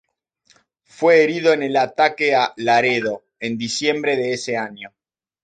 Fue herido en el ataque a Laredo, en diciembre de ese año.